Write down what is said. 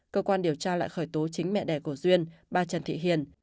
cơ quan điều tra lại khởi tố chính mẹ đẻ của duyên bà trần thị hiền